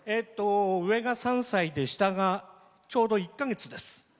上が３歳で下がちょうど１か月です。